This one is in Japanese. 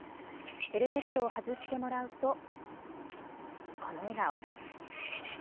ヘルメットを外してもらうとこの笑顔。